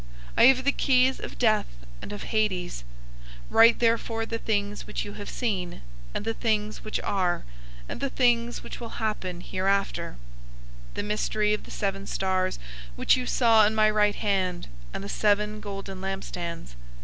I have the keys of Death and of Hades{or, Hell}. 001:019 Write therefore the things which you have seen, and the things which are, and the things which will happen hereafter; 001:020 the mystery of the seven stars which you saw in my right hand, and the seven golden lampstands.